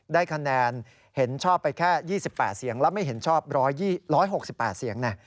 ได้คะแนนเห็นชอบไปแค่๒๘เสียงแล้วไม่เห็นชอบ๑๖๘เสียง